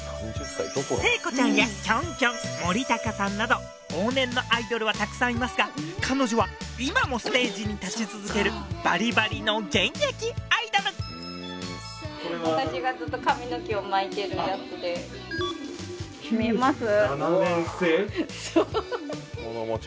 聖子ちゃんやキョンキョン森高さんなど往年のアイドルはたくさんいますが彼女は今もステージに立ち続けるバリバリの現役アイドルこれは見えます？